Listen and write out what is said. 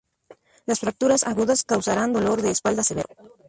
Las fracturas agudas causarán dolor de espalda severo.